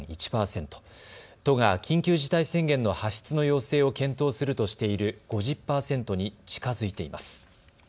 都が緊急事態宣言の発出の要請を検討するとしている５０％に近づいています。